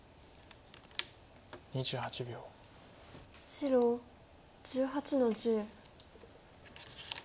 白１８の十。